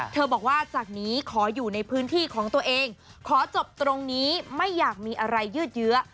บอกว่าจากนี้ขออยู่ในพื้นที่ของตัวเองขอจบตรงนี้ไม่อยากมีอะไรยืดเยื้อ